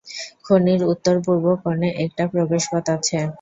খনির উত্তর-পূর্ব কোণে একটা প্রবেশপথ আছে।